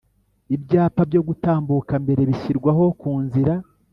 Ibyapa byo gutambuka mbere bishyirwaho kunzira?